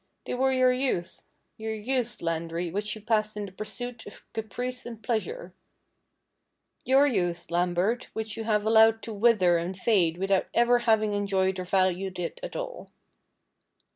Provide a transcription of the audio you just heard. They were your youth, — your youth, Landry, which you passed in the pursuit of caprice and pleasure; your youth, Lambert, which you have allowed to wither and fade without ever having enjoyed or valued it at all.